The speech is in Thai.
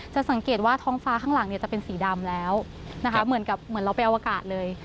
สังเกตว่าท้องฟ้าข้างหลังเนี่ยจะเป็นสีดำแล้วนะคะเหมือนกับเหมือนเราไปอวกาศเลย